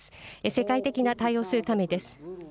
世界的な対応をするためです。